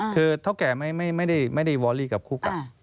คือเท่าแก่ไม่ได้วอรี่กับคุก